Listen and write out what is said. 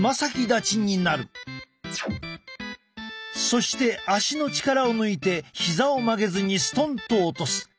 そして足の力を抜いてひざを曲げずにストンと落とす。